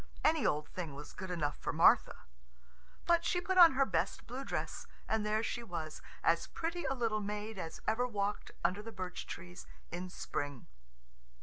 Any old thing was good enough for Martha. But she put on her best blue dress, and there she was, as pretty a little maid as ever walked under the birch trees in spring.